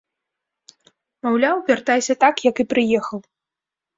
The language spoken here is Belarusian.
Маўляў, вяртайся так, як і прыехаў.